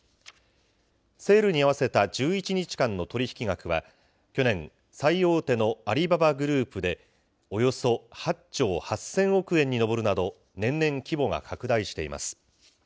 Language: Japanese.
セールに合わせた１１日間の取り引き額は、去年、最大手のアリババグループでおよそ８兆８０００億円に上るなど、年々規模が拡大しています。